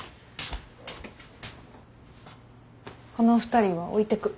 この２人は置いてく。